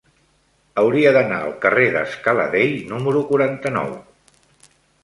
Hauria d'anar al carrer de Scala Dei número quaranta-nou.